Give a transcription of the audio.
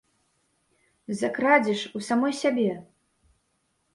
За крадзеж у самой сябе!